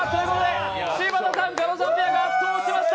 柴田さん・狩野さんペアが圧倒しました！